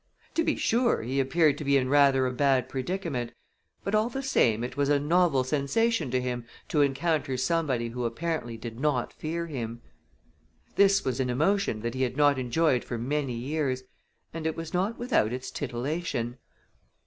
To be sure, he appeared to be in rather a bad predicament, but all the same it was a novel sensation to him to encounter somebody who apparently did not fear him. This was an emotion that he had not enjoyed for many years, and it was not without its titillation.